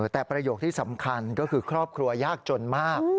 แต่ประโยคที่สำคัญก็คือครอบครัวยากจนมาก